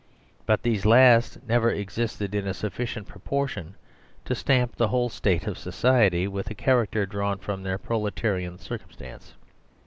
But these last never existed in a sufficient propor tion to stamp the whole State of society with a char 34 OUR SERVILE CIVILISATION acter drawn from their proletarian circumstance.